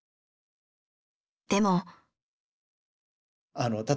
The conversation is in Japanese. でも。